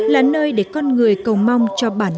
là nơi để con người cầu mong cho bản làng